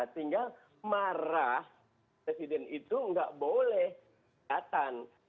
tinggal marah presiden itu nggak boleh datang